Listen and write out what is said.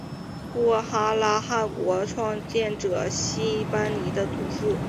布哈拉汗国创建者昔班尼的祖父。